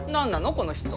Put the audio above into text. この人。